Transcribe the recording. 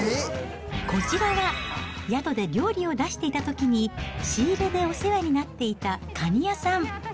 こちらは、宿で料理を出していたときに、仕入れでお世話になっていたカニ屋さん。